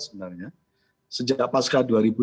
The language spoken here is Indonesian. sebenarnya sejak pasca dua ribu sembilan belas